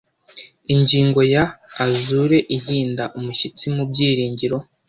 ingingo ya azure ihinda umushyitsi mubyiringiro